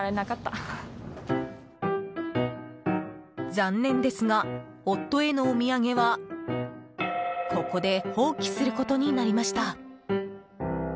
残念ですが、夫へのお土産はここで放棄することになりました。